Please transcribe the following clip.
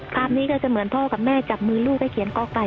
ภาพนี้ก็จะเหมือนพ่อกับแม่จับมือลูกให้เขียนก๊อกไป